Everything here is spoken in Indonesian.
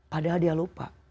padahal dia lupa